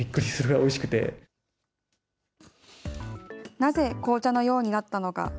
なぜ、紅茶のようになったのか。